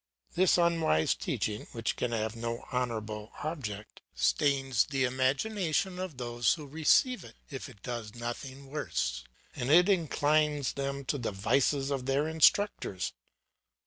This unwise teaching, which can have no honourable object, stains the imagination of those who receive it if it does nothing worse, and it inclines them to the vices of their instructors.